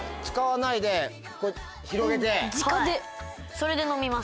それで飲みます。